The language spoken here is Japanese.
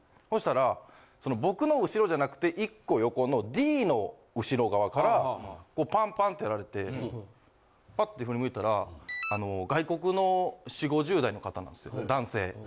そしたら僕の後ろじゃなくて１個横のＤの後ろ側からパンパンってやられてパって振り向いたら外国の４０５０代の方なんですよ男性。